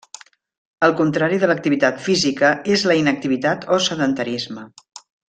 El contrari de l'activitat física és la inactivitat o sedentarisme.